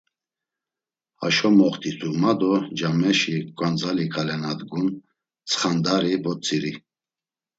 “Haşo moxt̆itu!” ma do cameşi ǩvazali ǩale na dgun tsxandari votziri.